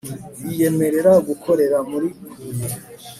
biyemerera gukorera muri huye